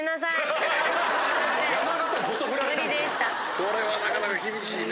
これはなかなか厳しいね。